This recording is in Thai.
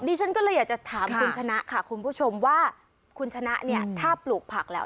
ฉันก็เลยอยากจะถามคุณชนะค่ะคุณผู้ชมว่าคุณชนะเนี่ยถ้าปลูกผักแล้ว